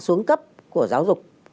xuống cấp của giáo dục